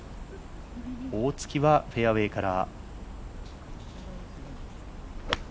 大槻はフェアウエーから。